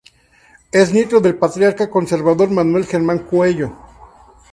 Es nieto del patriarca conservador Manuel Germán Cuello.